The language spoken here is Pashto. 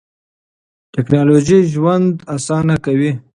ټکنالوژي ژوند اسانه کوي.